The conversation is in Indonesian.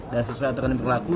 dan sesuai aturan yang berlaku